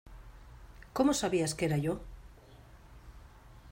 ¿ Cómo sabías que era yo?